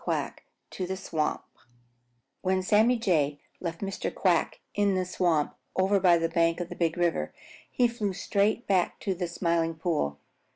QUACK TO THE SWAMP When Sammy Jay left Mr. Quack in the swamp over by the bank of the Big River, he flew straight back to the Smiling Pool.